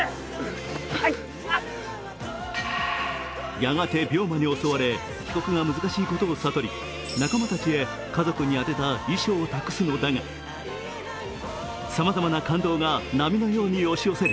やがて、病魔に襲われ帰国が難しいことを悟り仲間たちへ家族に宛てた遺書を託すのだがさまざまな感動が波のように押し寄せる。